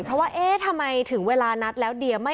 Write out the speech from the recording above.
ก็เห็นความผิดปกติเพราะว่าเอ๊ะทำไมถึงเวลานัดแล้วเดียไม่ออกมา